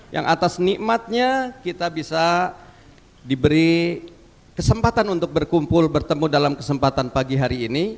yang atas nikmatnya kita bisa diberi kesempatan untuk berkumpul bertemu dalam kesempatan pagi hari ini